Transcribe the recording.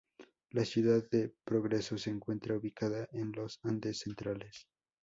La ciudad de Progreso se encuentra ubicada en los Andes Centrales.